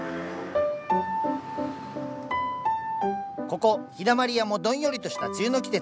ここ「陽だまり屋」もどんよりとした梅雨の季節。